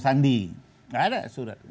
saya punya bukti itu